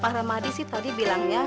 pak ramadi sih tadi bilangnya